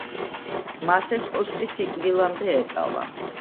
მას ეს პოსტი სიკვდილამდე ეკავა.